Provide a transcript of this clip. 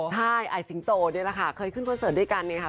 ทรยายไอสิงโตเนี่ยแหละค่ะเคยขึ้นคอนเซิร์ตด้วยกันนะคะ